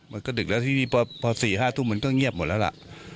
มันก็ดึกแล้วที่พอสี่ห้าทุ่มมันก็เงียบหมดแล้วล่ะ